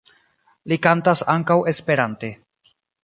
Li kantas ankaŭ Esperante.